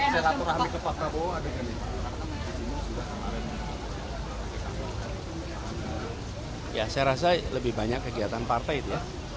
saya rasa lebih banyak kegiatan partai